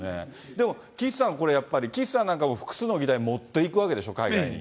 でも岸さん、これ、やっぱり、岸さんなんかも複数の議題持っていくわけでしょ、海外に。